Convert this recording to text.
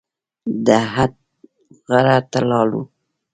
د احد غره ته لاړو.